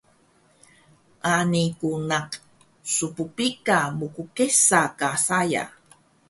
Ani ku naq sppika mkkesa ka saya